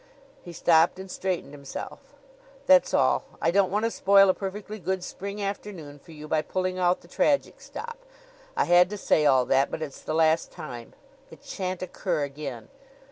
He stopped and straightened himself. "That's all! I don't want to spoil a perfectly good Spring afternoon for you by pulling out the tragic stop. I had to say all that; but it's the last time. It shan't occur again.